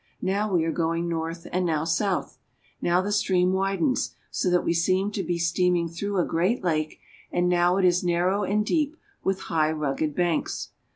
Now we are going north and now south. Now the stream widens, so that we seem to be steaming through a great lake, and now it is narrow and deep with high rugged banks.